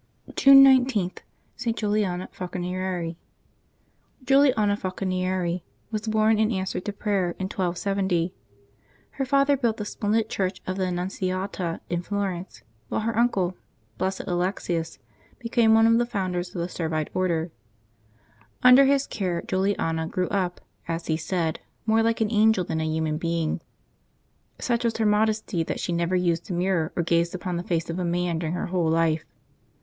222 LIVES OF THE SAINTS [June 19 June 19.— ST. JULIANA FALCONIERI. ^"JuLiAXA Falconieri was born in answer to prayer, in V /* 1270. Her father built the splendid church of the Annunziata in Florence, while her uncle, Blessed Alexius, became one of the founders of the Servite Order. Under his care Juliana grew up, as he said, more like an angel than a human being. Such was her modesty that she never used a mirror or gazed upon the face of a man dur ing her whole life.